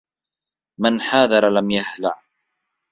مَنْ حَاذَرَ لَمْ يَهْلَعْ